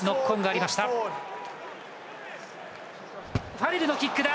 ファレルのキックだ！